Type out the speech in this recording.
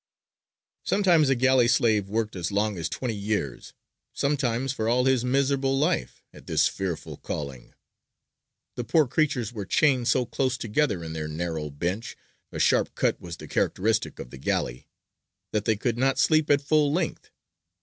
" Sometimes a galley slave worked as long as twenty years, sometimes for all his miserable life, at this fearful calling. The poor creatures were chained so close together in their narrow bench a sharp cut was the characteristic of the galley that they could not sleep at full length.